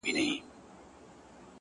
اې لکه ته _ يو داسې بله هم سته _